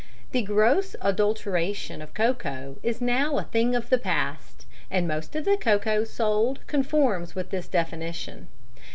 The gross adulteration of cocoa is now a thing of the past, and most of the cocoa sold conforms with this definition.